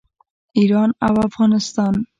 ایران او افغانستان.